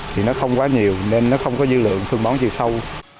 thì nó không quá nhiều nên nó không có dư lượng phân bón chiều sâu